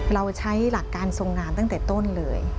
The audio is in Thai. เราใช้หลักการทรงงานตั้งแต่ต้นเลย